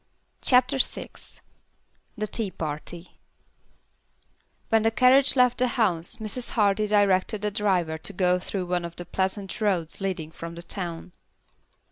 CHAPTER VI The Tea Party When the carriage left the house Mrs. Hardy directed the driver to go through one of the pleasant roads leading from the town.